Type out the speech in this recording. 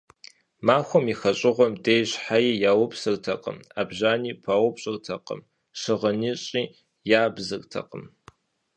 Махуэм и хэщӀыгъуэм деж щхьэи яупсыртэкъым, Ӏэбжьани паупщӀыртэкъым, щыгъыныщӀи ябзыртэкъым.